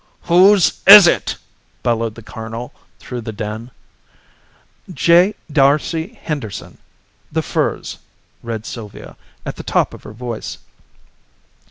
"Whose is it?" bellowed the colonel through the din. "J. D'Arcy Henderson, The Firs," read Sylvia, at the top of her voice.